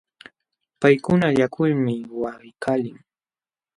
Paykuna llakulmi waqaykalin.